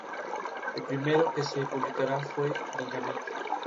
El primero que se publicara fue "Dynamite".